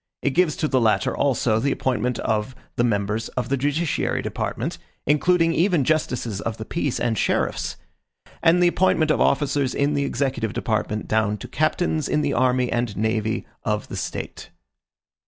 It gives to the latter, also, the appointment of the members of the judiciary department, including even justices of the peace and sheriffs; and the appointment of officers in the executive department, down to captains in the army and navy of the State.